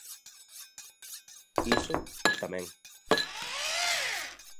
Iso, tamén.